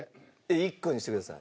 一個にしてください。